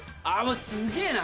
すげえな！